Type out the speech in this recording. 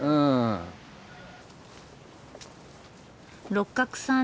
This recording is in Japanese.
六角さん